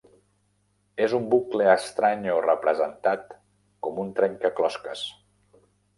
És un bucle estrany o representat com un trencaclosques.